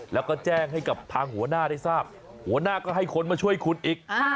แล้วก็แจ้งให้กับทางหัวหน้าได้ทราบหัวหน้าก็ให้คนมาช่วยคุณอีก